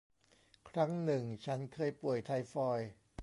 ครั้งหนึ่งฉันเคยป่วย ไทฟอยด์